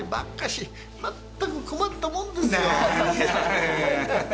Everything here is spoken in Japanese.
全く困ったもんですよ。